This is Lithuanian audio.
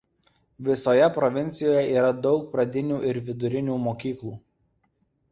Visoje provincijoje yra daug pradinių ir vidurinių mokyklų.